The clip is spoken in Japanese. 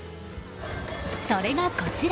それがこちら！